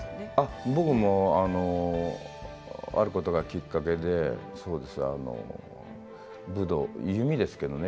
僕も、あることがきっかけで武道、弓ですけどね。